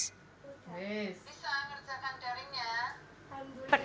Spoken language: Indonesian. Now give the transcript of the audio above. bisa ngerjakan darinya